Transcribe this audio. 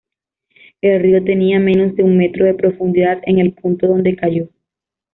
El río tenía menos de un metro de profundidad en el punto donde cayó.